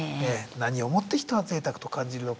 何をもって人はぜいたくと感じるのか。